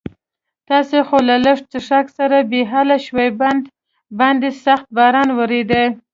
تاسې خو له لږ څښاک سره بې حاله شوي، باندې سخت باران ورېده.